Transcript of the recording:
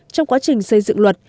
trong quá trình xây dựng luật